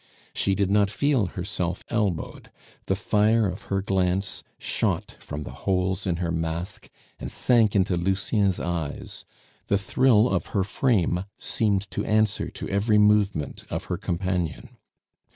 She did not feel herself elbowed; the fire of her glance shot from the holes in her mask and sank into Lucien's eyes; the thrill of her frame seemed to answer to every movement of her companion.